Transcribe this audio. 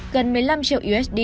gần một mươi năm triệu usd